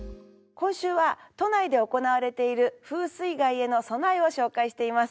今週は都内で行われている風水害への備えを紹介しています。